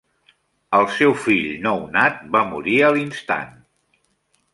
El seu fill nou nat va morir a l'instant.